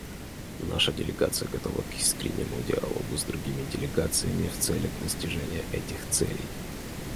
Наша делегация готова к искреннему диалогу с другими делегациями в целях достижения этих целей.